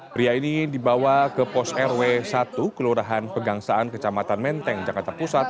pria ini dibawa ke pos rw satu kelurahan pegangsaan kecamatan menteng jakarta pusat